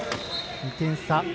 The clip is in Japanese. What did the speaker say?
２点差。